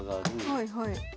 はいはい。